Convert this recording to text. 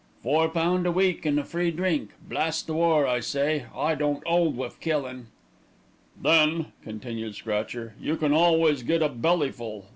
"Four pound a week, and a free drunk. Blast the war! I say, I don't 'old wiv killin'." "Then," continued Scratcher, "you can always get a bellyful.